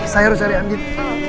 saya harus cari andin